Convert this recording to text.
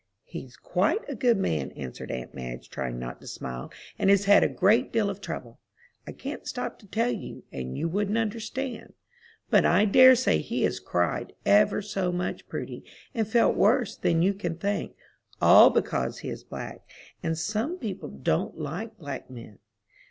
"He's quite a good man," answered aunt Madge, trying not to smile, "and has had a great deal of trouble. I can't stop to tell you, and you wouldn't understand; but I dare say he has cried ever so much, Prudy, and felt worse than you can think, all because he is black; and some people don't like black men."